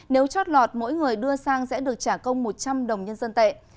nếu chót lọt mỗi người đưa sang sẽ được trả công một trăm linh đồng nhân dân tệ